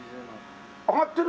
上がってる？